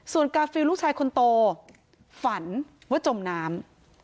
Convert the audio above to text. ส่วนกาฟิลลูกชายคนโตฝันว่าจมน้ำ